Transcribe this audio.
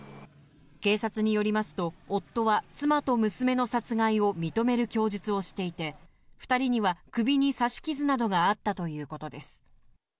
警察によりますと、夫は妻と娘の殺害を認める供述をしていて、２人には首に刺し傷などがあったということです。